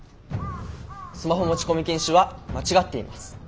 スマホ持ち込み禁止は間違っています。